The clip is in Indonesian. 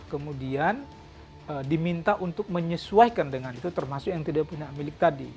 kemudian diminta untuk menyesuaikan dengan itu termasuk yang tidak punya milik tadi